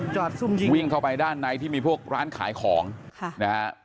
ซุ่มยิงวิ่งเข้าไปด้านในที่มีพวกร้านขายของค่ะนะฮะ